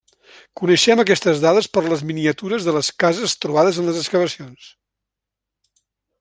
Coneixem aquestes dades per les miniatures de les cases trobades en les excavacions.